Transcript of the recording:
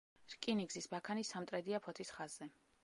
რკინიგზის ბაქანი სამტრედია–ფოთის ხაზზე.